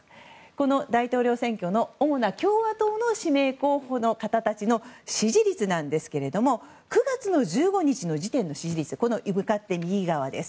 この大統領選挙の主な共和党の指名候補の方たちの支持率なんですけれども９月１５日時点の支持率が向かって右側です。